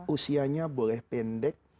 usianya boleh pendek